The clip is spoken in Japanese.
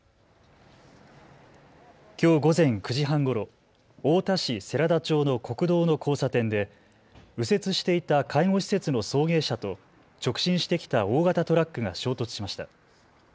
きょう午前９時半ごろ太田市世良田町の国道の交差点で右折していた介護施設の送迎車と直進してきた大型トラックが衝突しました。